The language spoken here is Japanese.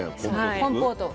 コンポートいく？